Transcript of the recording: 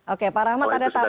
oke pak rahmat ada tanggapan